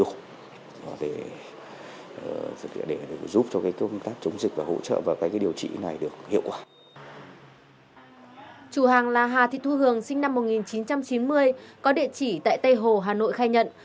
chủ hàng là hà thị thu hường sinh năm một nghìn chín trăm chín mươi có địa chỉ tại tây hồ hà nội khai nhận